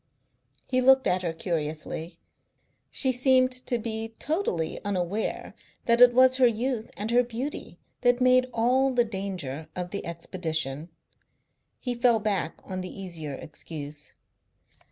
He looked at her curiously. She seemed to be totally unaware that it was her youth and her beauty that made all the danger of the expedition. He fell back on the easier excuse.